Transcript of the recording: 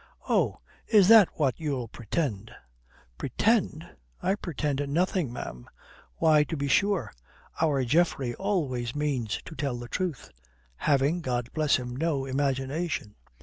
"Oh, is that what you'll pretend?" "Pretend? I pretend nothing, ma'am. Why, to be sure, our Geoffrey always means to tell the truth having, God bless him, no imagination.